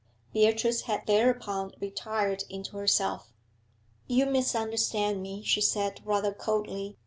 Beatrice had thereupon retired into herself. 'You misunderstand me,' she said, rather coldly.